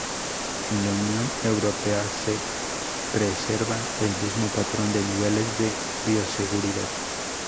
En la Unión europea, se preserva el mismo patrón de niveles de bioseguridad.